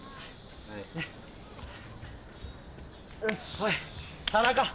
おい田中。